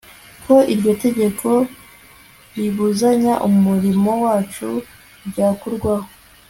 ko iryo tegeko ribuzanya umurimo wacu ryakurwaho